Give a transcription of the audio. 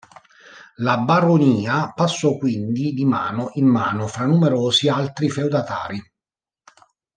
La baronia passò quindi di mano in mano fra numerosi altri feudatari.